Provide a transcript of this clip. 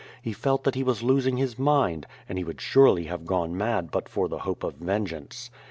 He felt that he was losing his mind, and he would surely have gone mad but for the ho])e of vengeance.